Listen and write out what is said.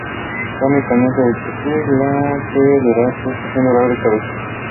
Tommy comienza a discutir, lo que le da a Chuckie un dolor de cabeza.